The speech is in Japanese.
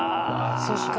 そっか。